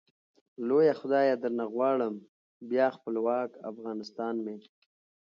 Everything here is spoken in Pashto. لويه خدايه درنه غواړم ، بيا خپلوک افغانستان مي